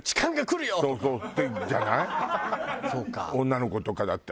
女の子とかだったらさ